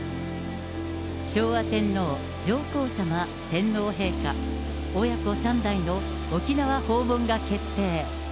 昭和天皇、上皇さま、天皇陛下、親子３代の沖縄訪問が決定。